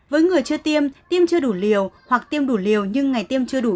với người chưa tiêm tiêm chưa đủ liều hoặc tiêm đủ liều nhưng ngày tiêm chưa đủ